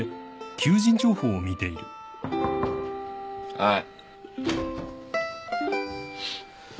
・はい。